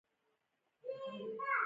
د مکالمې لپاره میز رامنځته کول هڅه ده.